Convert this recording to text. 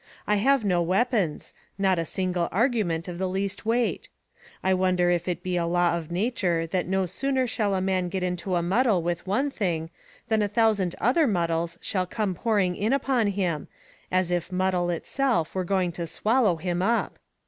I have no weapons not a single argument of the least weight. I wonder if it be a law of nature that no sooner shall a man get into a muddle with one thing, than a thousand other muddles shall come pouring in upon him, as if Muddle itself were going to swallow him up!